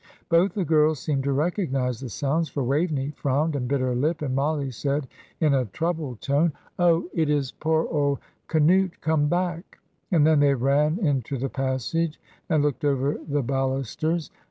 Both the girls seemed to recognise the sounds, for Waveney frowned and bit her lip, and Mollie said, in a troubled tone, "Oh, it is poor old 'Canute' come back;" and then they ran into the passage and looked over the balusters.